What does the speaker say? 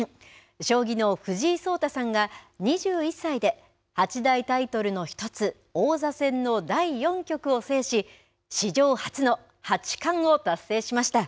将棋の藤井聡太さんが２１歳で八大タイトルの１つ王座戦の第４局を制し史上初の八冠を達成しました。